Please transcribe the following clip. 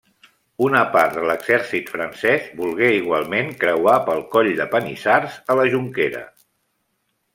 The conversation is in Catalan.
Una part de l'exèrcit francès volgué igualment creuar pel Coll de Panissars, a la Jonquera.